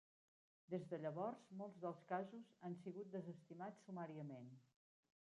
Des de llavors, molts dels casos han sigut desestimats sumàriament.